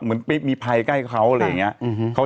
เหมือนมีภัยใกล้เขา